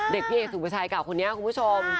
เด็กพี่เอกสุดประชายกล่าวคนนี้คุณผู้ชม